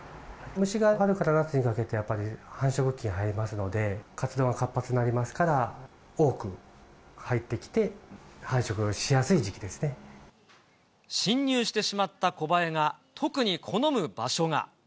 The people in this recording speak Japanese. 虫が春から夏にかけて、やっぱり繁殖期に入りますので、活動が活発になりますから、多く入ってきて、侵入してしまったコバエが特に好む場所が。